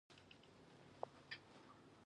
دوه لینه او درې لینه سړکونه هم شتون لري